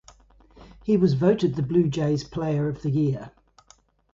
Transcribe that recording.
He was voted the Blue Jays Player of the Year.